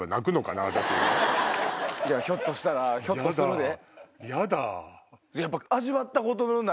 ひょっとしたらひょっとするで。